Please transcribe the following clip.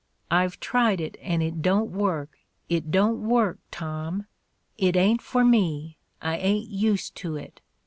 I've tried it and it don't work; it don't work, Tom. It ain't for me; I ain't used to it.